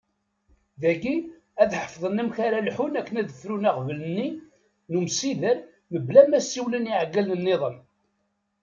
Dagi, ad iḥfiḍen amek ara lḥun akken ad ffrun aɣbel-nni n umsider mebla ma ssawlen i yiɛeggalen nniḍen.